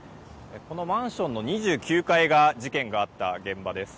このマンションの２９階が事件があった現場です。